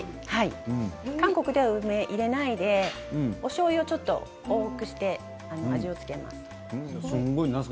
韓国では梅を入れないでおしょうゆをちょっと多くして味付けします。